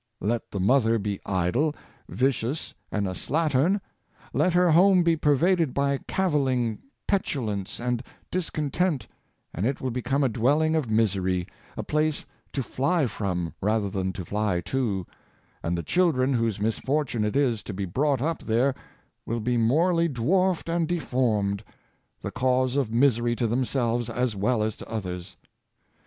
Let the mother be idle, vicious, and a slattern; let her home be pervaded by cavilling, petu lance, and discontent, and it will become a dwelling of misery — a place to fly from, rather than to fly to; and the children whose misfortune it is to be brought up there will be morally dwarfed and deformed — the cause of misery to themselves as well as to others.